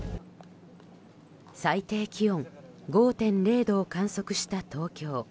最低気温５．０度を観測した東京。